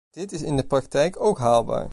Dit is in de praktijk ook haalbaar.